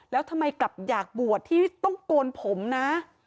แล้วทำไมกลับอยากบวชที่ต้องโกนผมนะ